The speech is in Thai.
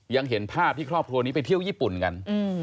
ยังเห็นภาพที่ครอบครัวนี้ไปเที่ยวญี่ปุ่นกัน